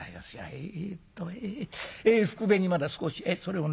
えっとふくべにまだ少しそれをね